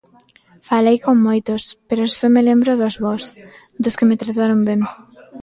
Falei con moitos, pero só me lembro dos bos, dos que me trataron ben.